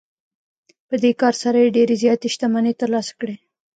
په دې کار سره یې ډېرې زیاتې شتمنۍ ترلاسه کړې